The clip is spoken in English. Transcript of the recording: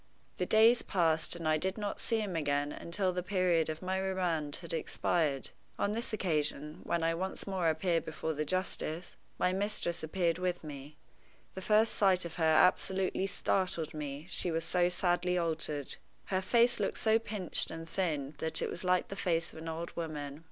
The days passed, and I did not see him again until the period of my remand had expired. On this occasion, when I once more appeared before the justice, my mistress appeared with me. The first sight of her absolutely startled me, she was so sadly altered. Her face looked so pinched and thin that it was like the face of an old woman.